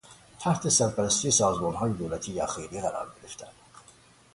تحت سرپرستی سازمانهای دولتی یا خیریه قرار گرفتن